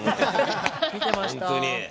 見てました。